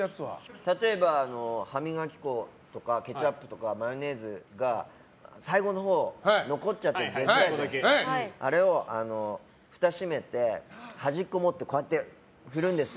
例えば歯磨き粉とかケチャップとかマヨネーズが最後のほう、残っちゃって出づらい時にあれをふた閉めて端っこをもってこうやって振るんですよ。